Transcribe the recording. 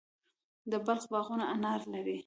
د بلخ باغونه انار لري.